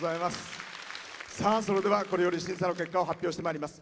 それでは、これより審査の結果を発表してまいります。